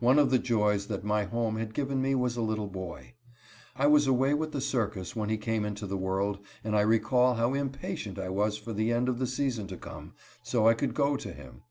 One of the joys that my home had given me was a little boy. I was away with the circus when he came into the world, and I recall how impatient I was for the end of the season to come, so I could go to him.